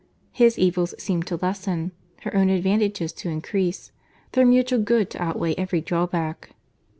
His evils seemed to lessen, her own advantages to increase, their mutual good to outweigh every drawback.